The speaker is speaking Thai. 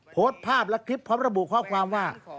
โพสต์ภาพและคลิปพร้อมระบุข้อความว่า